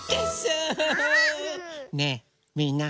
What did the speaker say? ねえみんな。